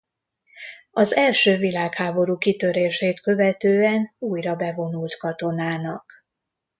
Az első világháború kitörését követően újra bevonult katonának.